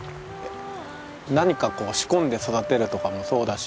何かこう仕込んで育てるとかもそうだし